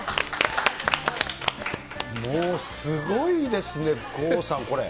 もう、すごいですね、郷さん、これ。